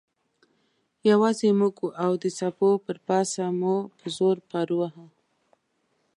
یوازې موږ وو او د څپو پر پاسه مو په زور پارو واهه.